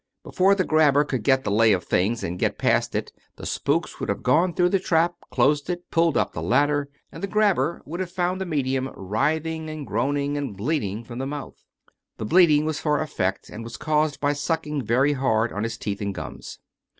Be fore the " grabber " could get the lay of things and get past it, the spooks would have gone through the trap, closed it, pulled up the ladder, and the " grabber " would have found the medium writhing and groaning and bleeding from the mouth. The bleeding was for effect, and was caused by sucking very hard on his teeth or gums.